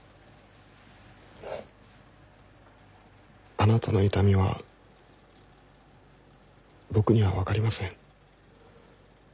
あなたの痛みは僕には分かりません。